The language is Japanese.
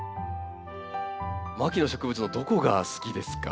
牧野植物のどこが好きですか？